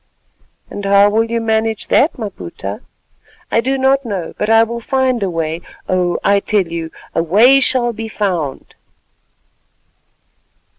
"And how will you manage that, Maputa?" "I do not know, but I will find a way. Oh! I tell you, a way shall be found."